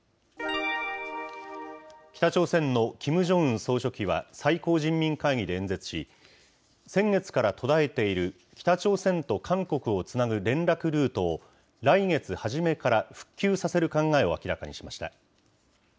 北朝鮮のキム・ジョンウン総書記は最高人民会議で演説し、先月から途絶えている北朝鮮と韓国をつなぐ連絡ルートを、来月初めから復旧させる考えを明らかにしました。